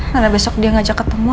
lalu nih gak nah ada make up juga